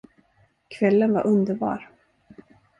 Kvällen var underbar.